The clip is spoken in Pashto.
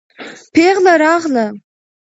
پېغله راغله.